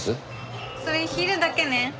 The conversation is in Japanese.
それ昼だけね。